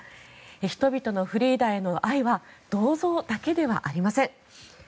人々のフリーダへの愛は銅像だけではありません。